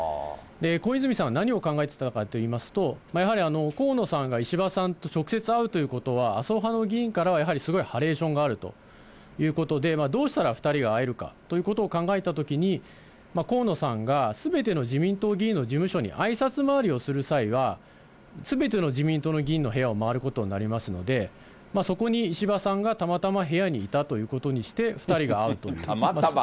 小泉さんは何を考えてたかっていいますと、やはり河野さんが石破さんと直接会うということは、麻生派の議員からはやはりすごいハレーションがあるということで、どうしたら２人が会えるかということを考えたときに、河野さんがすべての自民党議員の事務所にあいさつ回りをする際は、すべての自民党の議員の部屋を回ることになりますので、そこに石破さんがたまたま部屋にいたということにして、たまたま？